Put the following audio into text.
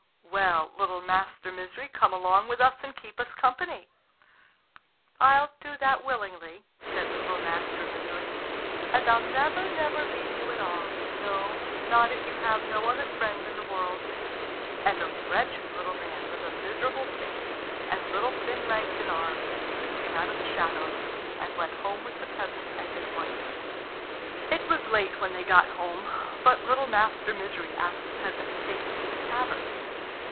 "Well, little Master Misery, come along with us and keep us company." "I'll do that willingly," says little Master Misery, "and I'll never, never leave you at all no, not if you have no other friend in the world." And a wretched little man, with a miserable face and little thin legs and arms, came out of the shadows and went home with the peasant and his wife. It was late when they got home, but little Master Misery asked the peasant to take him to the tavern.